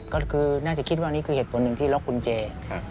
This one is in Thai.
ก็คือน่าจะคิดว่านี่คือเหตุผลหนึ่งที่ล็อกกุญแจ